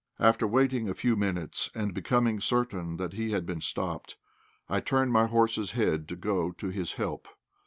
After waiting a few minutes and becoming certain he had been stopped, I turned my horse's head to go to his help.